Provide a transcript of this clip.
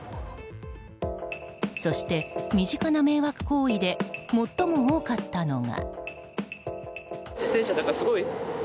そして身近な迷惑行為で最も多かったのが。